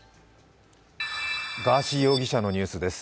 ガーシー容疑者のニュースです。